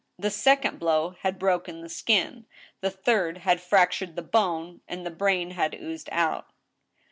The second blow had broken the skin ; the third had fractured the bone, and the brain had oozed out.